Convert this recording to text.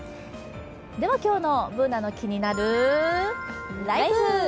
今日の「ＢｏｏｎａのキニナルＬＩＦＥ」。